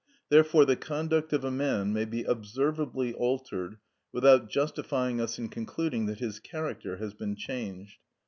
Therefore the conduct of a man may be observably altered without justifying us in concluding that his character has been changed.